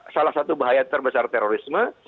salah satu bahaya terbesar terorisme